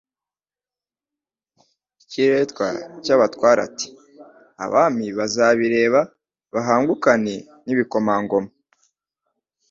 ikiretwa cy'abatware ati: Abami bazabireba bahagunkane n'ibikomangoma